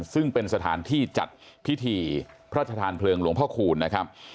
ซึ่งเป็นสถานที่จัดพิธีพระชธานเพลิงหลวงพ่อคูณนะครับ